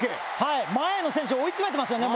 前の選手を追い詰めてますよね